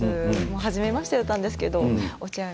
はじめましてだったんですけど「おちょやん」